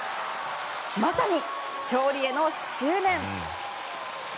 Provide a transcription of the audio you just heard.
まさに勝利への執念！